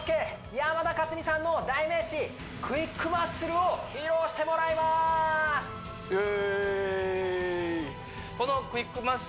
山田勝己さんの代名詞クイックマッスルを披露してもらいますうー